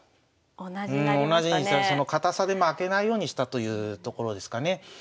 堅さで負けないようにしたというところですかね。